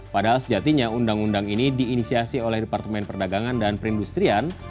padahal sejatinya undang undang ini diinisiasi oleh departemen perdagangan dan perindustrian